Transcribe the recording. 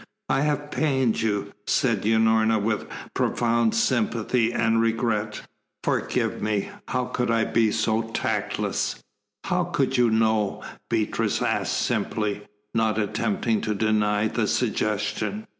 "I have pained you," said Unorna with profound sympathy and regret. "Forgive me! How could I be so tactless!" "How could you know?" Beatrice asked simply, not attempting to deny the suggestion.